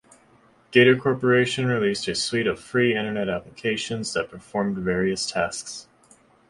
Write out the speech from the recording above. Gator corporation released a suite of "free" Internet applications that performed various tasks.